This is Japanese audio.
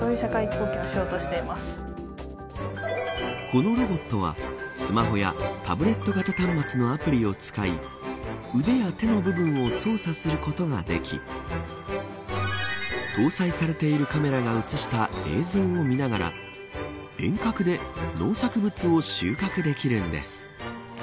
このロボットは、スマホやタブレット型端末のアプリを使い腕や手の部分を操作することができ搭載されているカメラが映した映像を見ながら遠隔で農作物を収穫できるんです。